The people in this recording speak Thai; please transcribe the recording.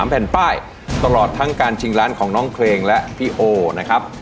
แผ่นป้ายตลอดทั้งการชิงล้านของน้องเพลงและพี่โอนะครับ